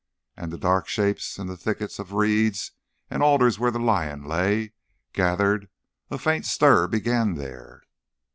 And the dark shapes in the thicket of reeds and alders where the lion lay, gathered, and a faint stir began there.